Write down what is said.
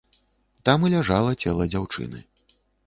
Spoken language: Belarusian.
Там і ляжала цела дзяўчыны.